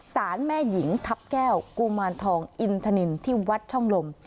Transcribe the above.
สารแม่หญิงทัพแก้วกุมารทองอินทนินที่วัดช่องลม